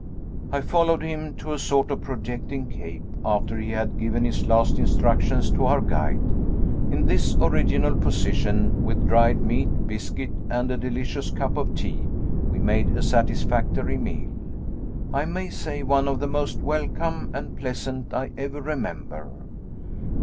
I followed him to a sort of projecting cape, after he had given his last instructions to our guide. In this original position, with dried meat, biscuit, and a delicious cup of tea, we made a satisfactory meal I may say one of the most welcome and pleasant I ever remember.